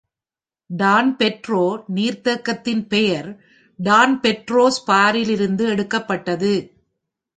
Don Pedro நீர்த்தேக்கத்தின் பெயர் Don Pedro's பாரிலிருந்து எடுக்கப்பட்டது.